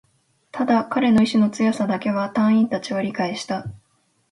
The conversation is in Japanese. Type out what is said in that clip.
ただ、彼の意志の強さだけは隊員達は理解した